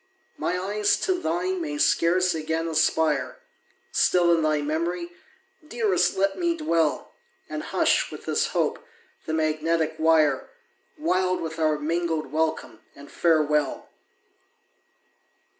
My eyes to thine may scarce again aspire Still in thy memory, dearest let me dwell, And hush, with this hope, the magnetic wire, Wild with our mingled welcome and farewell!